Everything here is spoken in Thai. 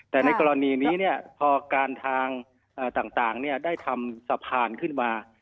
แต่ในกรณีนี้พอการทางต่างได้ทำสะพานขึ้นมา